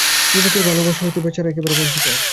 স্ত্রীলোকের ভালোবাসা হইতে বেচারা একেবারে বঞ্চিত।